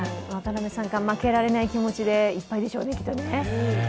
渡辺三冠、負けられない気持ちでいっぱいでしょうね。